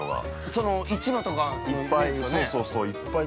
◆その市場とかいっぱい。